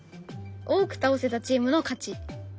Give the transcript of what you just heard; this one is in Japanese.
多く倒せたチームの勝ち。